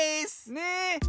ねえ。